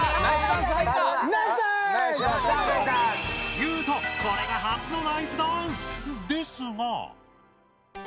ユウトこれが初のナイスダンス！ですが。